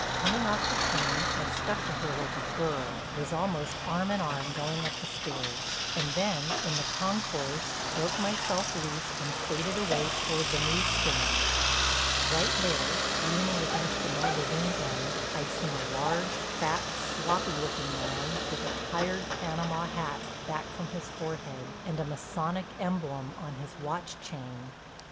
Coming off the train I stuck to her like a burr, was almost arm in arm going up the stairs, and then in the concourse broke myself loose and faded away toward the news stand. Right there, leaning against the magazine end, I'd seen a large, fat, sloppy looking man, with a tired panama hat back from his forehead, and a masonic emblem on his watch chain.